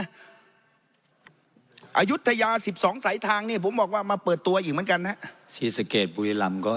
อศรียุทยา๑๒สายทางผมบอกว่ามาเปิดตัวอีกเหมือนกันนะครับ